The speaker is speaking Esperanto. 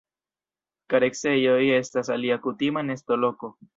Kareksejoj estas alia kutima nestoloko.